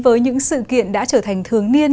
với những sự kiện đã trở thành thường niên